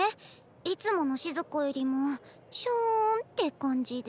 いつものしず子よりもしゅんって感じで。